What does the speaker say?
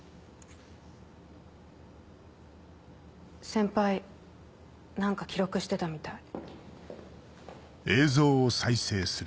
先輩何か記録してたみたい。